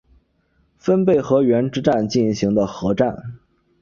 分倍河原之战进行的合战。